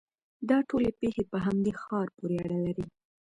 دا ټولې پېښې په همدې ښار پورې اړه لري.